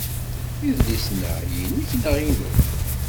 Idlisen-a inekk neɣ inu?